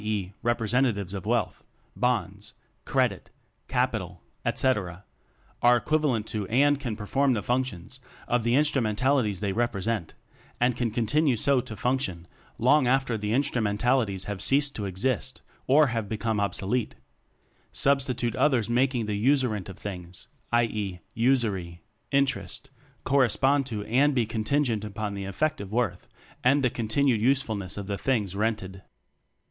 e., "representa tives" of wealth, "bonds," "credit," "capital," etc. are equivalent to and can perform the functions of the in strumentalities they "represent," and can continue so to function long after the instrumentalities have ceased to exist or have become obsolete; Substitute others making the use rent of things, i. e. "usury," "interest," correspond to and be contingent upon the effective worth and the continued usefulness of the things rented.